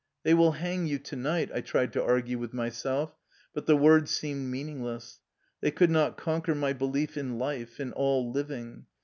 " They will hang you to night,'' I tried to argue with myself, but the words seemed mean ingless. They could not conquer my belief in life, in all living.